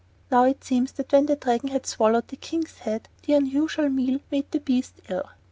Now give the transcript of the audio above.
Now it seems that when the Dragon had swallowed the King's head, the unusual meal made the beast ill.